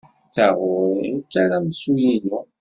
D taɣuri i d aramsu-inu.